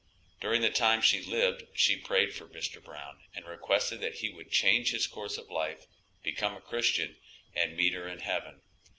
During the time she lived she prayed for Mr. Brown, and requested that he would change his course of life, become a Christian, and meet her in heaven.